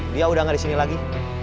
dia udah gak disini lagi